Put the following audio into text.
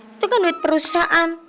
itu kan duit perusahaan